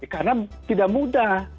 karena tidak mudah